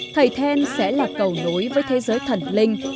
thầy then sẽ là cầu nối với thế giới thần linh